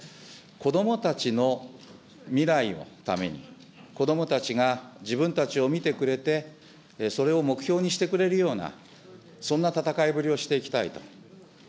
子どもたちの未来のために、子どもたちが自分たちを見てくれて、それを目標にしてくれるような、そんな戦いぶりをしていきたいと。